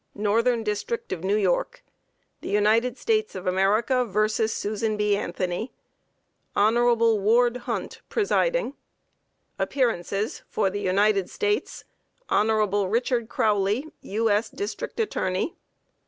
Northern District of New York. THE UNITED STATES OF AMERICA vs. SUSAN B. ANTHONY. HON. WARD HUNT, Presiding. APPEARANCES. For the United States: HON. RICHARD CROWLEY. U.S. District Attorney.